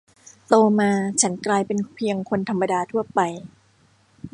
โตมาฉันกลายเป็นเพียงคนธรรมดาทั่วไป